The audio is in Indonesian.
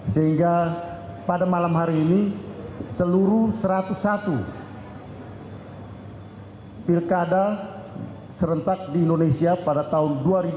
sehingga pada malam hari ini seluruh satu ratus satu pilkada serentak di indonesia pada tahun dua ribu dua puluh